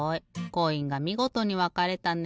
コインがみごとにわかれたね。